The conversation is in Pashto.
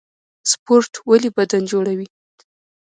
سپورټ ولې بدن جوړوي؟